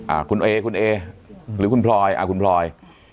อ่าคุณเอคุณเอหรือคุณพลอยอ่าคุณพลอย